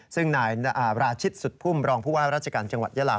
ซึ่งนายราชิตสุดพุ่มรองผู้ว่าราชการจังหวัดยาลา